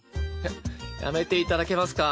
ややめていただけますか。